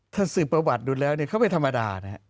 ถ้าสืบประวัติดูแล้วเขาไม่ธรรมดานะฮะ